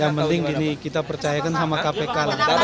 yang penting ini kita percayakan sama kpk